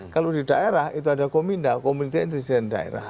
kalau di daerah itu ada kominda komite intelijen daerah